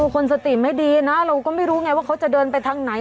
คนสติไม่ดีนะเราก็ไม่รู้ไงว่าเขาจะเดินไปทางไหน